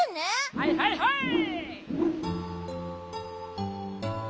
はいはいはい！